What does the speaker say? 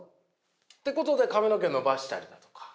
ってことで髪の毛伸ばしたりだとか。